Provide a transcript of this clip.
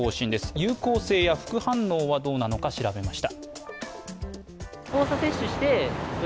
有効性や副反応はどうなのか、調べました。